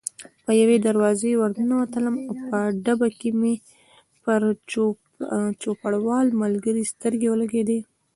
په یوې دروازې ور ننوتلم، په ډبه کې مې پر چوپړوال ملګري سترګې ولګېدې.